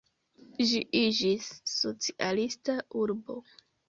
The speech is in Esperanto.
Ĝi iĝis socialista urbo.